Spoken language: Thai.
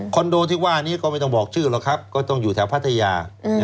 โดที่ว่านี้ก็ไม่ต้องบอกชื่อหรอกครับก็ต้องอยู่แถวพัทยา